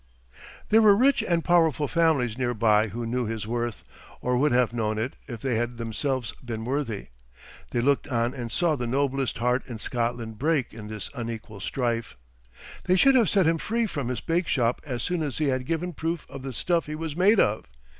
There were rich and powerful families near by who knew his worth, or would have known it if they had themselves been worthy. They looked on and saw the noblest heart in Scotland break in this unequal strife. They should have set him free from his bake shop as soon as he had given proof of the stuff he was made of.